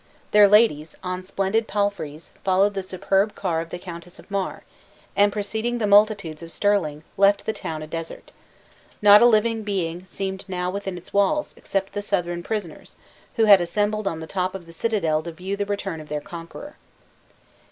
Their ladies, on splendid palfreys, followed the superb car of the Countess of Mar; and, preceding the multitudes of Stirling, left the town a desert. Not a living being seemed now within its walls except the Southron prisoners, who had assembled on the top of the citadel to view the return of their conqueror.